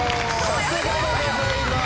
さすがでございます。